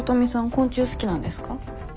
昆虫好きなんですか？